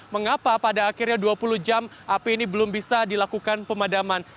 mengapa pada akhirnya dua puluh jam api ini belum bisa dilakukan pemadaman